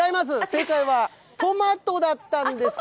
正解は、トマトだったんです。